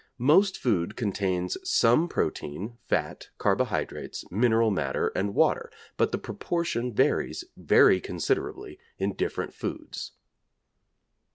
Most food contains some protein, fat, carbohydrates, mineral matter, and water, but the proportion varies very considerably in different foods.